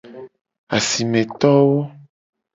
Asimetowo.